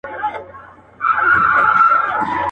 چي خبري دي ترخې لګېږي ډېري.